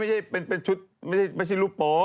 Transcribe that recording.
อันนี้ไม่ใช่ชุดรูปโป้